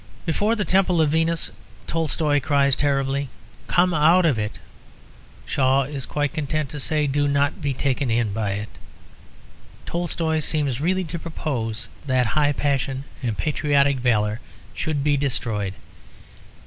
Before the temple of Venus, Tolstoy cries terribly, "Come out of it!"; Shaw is quite content to say, "Do not be taken in by it." Tolstoy seems really to propose that high passion and patriotic valour should be destroyed.